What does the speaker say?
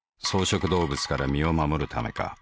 草食動物から身を護るためか。